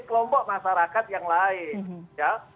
kelompok masyarakat yang lain ya